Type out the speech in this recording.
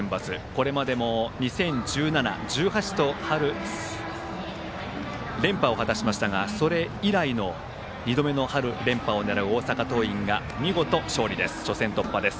これまでも２０１７、２０１８と春連覇を果たしましたがそれ以来の２度目の春連覇を狙う大阪桐蔭が見事勝利で初戦突破。